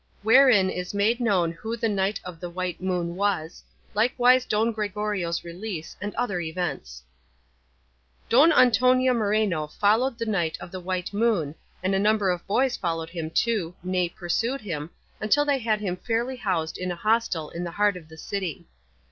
WHEREIN IS MADE KNOWN WHO THE KNIGHT OF THE WHITE MOON WAS; LIKEWISE DON GREGORIO'S RELEASE, AND OTHER EVENTS Don Antonia Moreno followed the Knight of the White Moon, and a number of boys followed him too, nay pursued him, until they had him fairly housed in a hostel in the heart of the city.